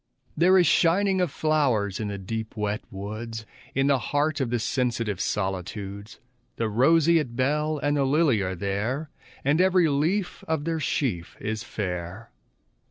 There is shining of flowers in the deep wet woods, In the heart of the sensitive solitudes, The roseate bell and the lily are there, And every leaf of their sheaf is fair.